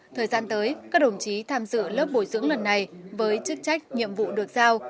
thời gian tới các đồng chí tham dự lớp bồi dưỡng lần này với chức trách nhiệm vụ được giao